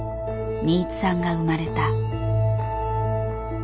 新津さんが生まれた。